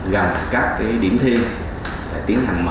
và các trường trung học cơ sở